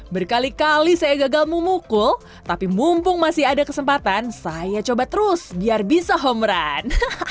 berkali kali saya gagal memukul tapi mumpung masih ada kesempatan saya coba terus biar bisa home run